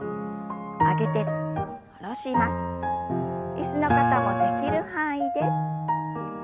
椅子の方もできる範囲で。